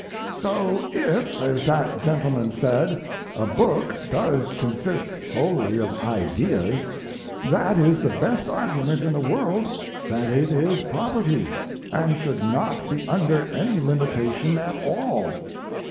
So if, as that gentleman said, a book does consist solely of ideas, that is the best argument in the world that it is property, and should not be under any limitation at all.